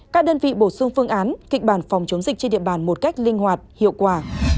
các đơn vị bổ sung phương án kịch bản phòng chống dịch trên địa bàn một cách linh hoạt hiệu quả